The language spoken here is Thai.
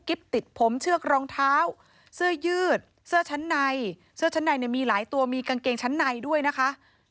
กิปติดผมเชือกรองเท้าเสื้อยืดเสื้อชั้นในเสื้อตัวมีกางเกงชั้ทรายด้วยนะคะ